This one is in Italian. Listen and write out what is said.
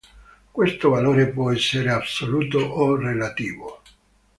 Questo valore può essere assoluto o relativo.